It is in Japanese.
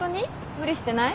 無理してない？